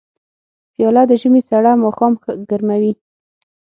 پیاله د ژمي سړه ماښام ګرموي.